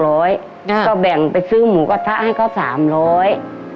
แล้วก็แบ่งไปซื้อหมูกระทะให้เค้า๓๐๐๐๐๐ฟรี